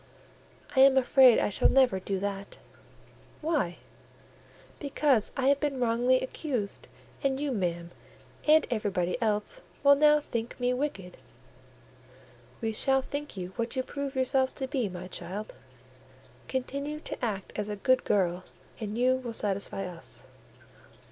"I am afraid I never shall do that." "Why?" "Because I have been wrongly accused; and you, ma'am, and everybody else, will now think me wicked." "We shall think you what you prove yourself to be, my child. Continue to act as a good girl, and you will satisfy us."